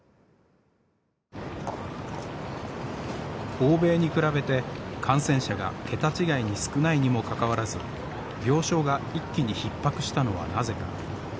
欧米に比べて感染者が桁違いに少ないにもかかわらず病床が一気にひっ迫したのはなぜか。